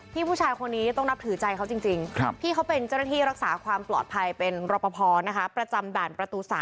ผู้ชายคนนี้ต้องนับถือใจเขาจริงพี่เขาเป็นเจ้าหน้าที่รักษาความปลอดภัยเป็นรอปภประจำด่านประตู๓